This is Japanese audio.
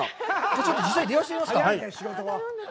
ちょっと実際に電話してみますか。